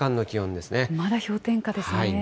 まだ氷点下ですね。